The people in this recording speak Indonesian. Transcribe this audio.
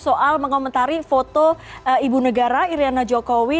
soal mengomentari foto ibu negara iryana jokowi